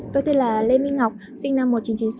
tôi tên là lê minh ngọc sinh năm một nghìn chín trăm chín mươi sáu